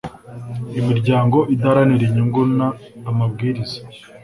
imiryango idaharanira inyungu n amabwiriza